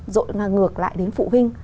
dội ngược lại đến phụ huynh